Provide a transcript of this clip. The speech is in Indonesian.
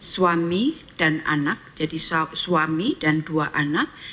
suami dan anak jadi suami dan dua anak